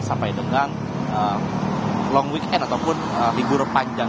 sampai dengan long weekend ataupun libur panjang